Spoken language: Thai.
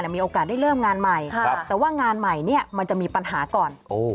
มีโอกาสได้เริ่มงานใหม่แต่ว่างานใหม่มันจะมีปัญหาก่อน